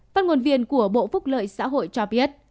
phát ngôn viên của bộ phúc lợi xã hội cho biết